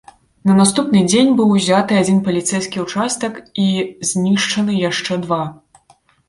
На наступны дзень быў узяты адзін паліцэйскі ўчастак і знішчаны яшчэ два.